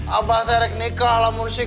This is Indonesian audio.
abang tarik nikah lah mursi